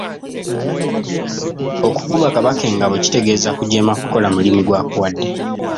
Okukuba Kabaka engabo kitegeeza kujeema kukola mulimu gw’akuwadde.